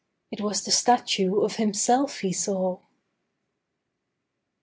It was the statue of himself he saw!